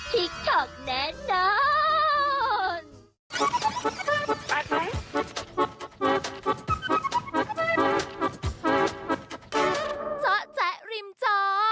จ๊ะจ๊ะริมจ่อ